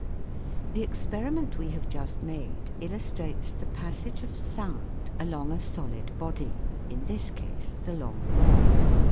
The experiment we have just made illustrates the passage of sound along a solid body in this case the long rod.